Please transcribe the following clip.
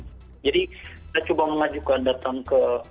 kita coba mengajukan datang ke